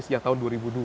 sejak tahun dua ribu dua